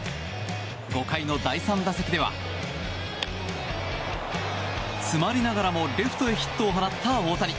５回の第３打席では詰まりながらもレフトへヒットを放った大谷。